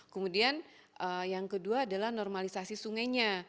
kemudian yang kedua adalah normalisasi sungainya